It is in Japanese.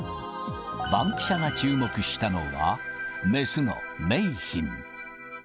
バンキシャが注目したのは、雌のメイヒン。